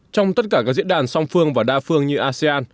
trong tất cả các diễn đàn song phương và đa phương như asean